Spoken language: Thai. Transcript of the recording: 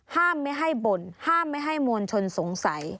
ไม่ให้บ่นห้ามไม่ให้มวลชนสงสัย